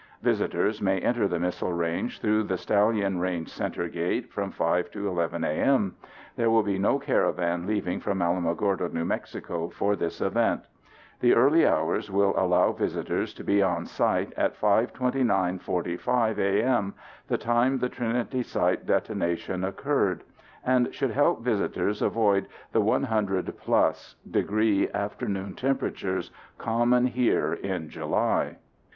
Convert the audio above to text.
Visitors may enter the missile range through the Stallion Range Center gate from 5 to 11 a.m. There will be no caravan leaving from Alamogordo, N.M., for this event. The early hours will allow visitors to be on site at 5:29:45 a.m., the time the Trinity Site detonation occurred, and should help visitors avoid the 100 plus degree afternoon temperatures common here in July.